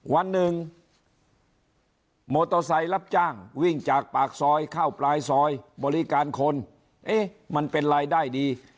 วันหนึ่งมอเตอร์ไซค์รับจ้างวิ่งจากปากซอยเข้าปลายซอยบริการคนเอ๊ะมันเป็นรายได้ดี